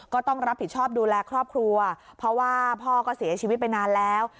ก็ต้องรับผิดชอบดูแลครอบครัวเพราะว่าพ่อก็เสียชีวิตไปนานแล้ว